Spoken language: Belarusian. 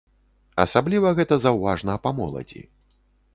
Асабліва гэта заўважна па моладзі.